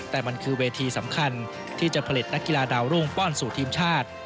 แต่มันคือเวทีสำคัญที่จะผลิตนักกีฬาดาวรุ่งป้อนสู่ทีมชาติ